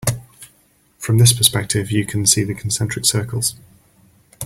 From this perspective you can see the concentric circles.